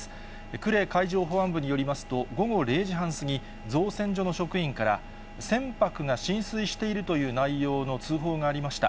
呉海上保安部によりますと、午後０時半過ぎ、造船所の職員から、船舶が浸水しているという内容の通報がありました。